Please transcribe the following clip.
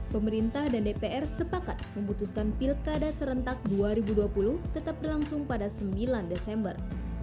pemerintah dan dpr sepakat memutuskan pilkada serentak dua ribu dua puluh tetap berlangsung pada sembilan desember